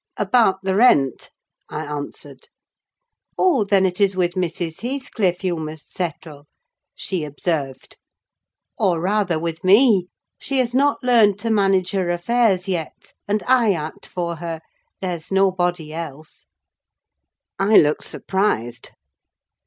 "About the rent," I answered. "Oh! then it is with Mrs. Heathcliff you must settle," she observed; "or rather with me. She has not learnt to manage her affairs yet, and I act for her: there's nobody else." I looked surprised.